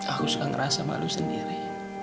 aku suka ngerasa malu sendiri